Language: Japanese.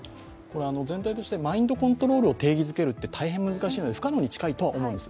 全体としてマインドコントロールを定義づけるのは不可能に近いと思います。